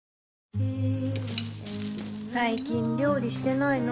最近料理してないの？